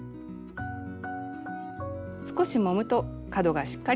少しもむと角がしっかり出ます。